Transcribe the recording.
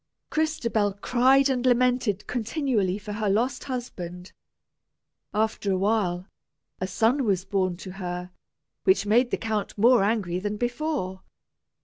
Crystabell cried and lamented continually for her lost husband. After a while, a son was born to her, which made the count more angry than before.